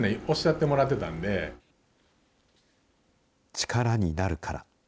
力になるから。